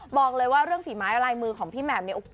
บอกเลยว่าเรื่องฝีไม้ลายมือของพี่แหม่มเนี่ย